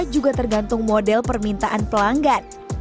juga tergantung model permintaan pelanggan